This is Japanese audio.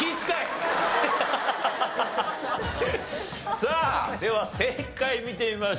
さあでは正解見てみましょう。